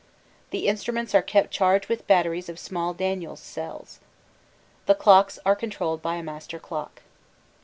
The instruments are kept charged with batteries of small Daniels cells. The clocks are controlled by a master clock.